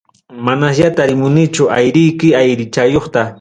Manasya tarimunichu airiyki airichayuqta.